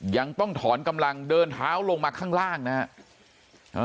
ยังต้องถอนกำลังเดินเท้าลงมาข้างล่างนะครับ